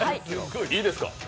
いいですか？